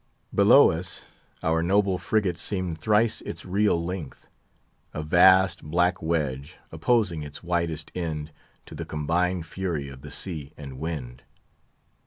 Below us, our noble frigate seemed thrice its real length—a vast black wedge, opposing its widest end to the combined fury of the sea and wind.